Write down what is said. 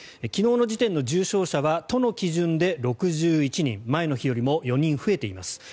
昨日の時点の重症者は都の基準で６１人前の日よりも４人増えています。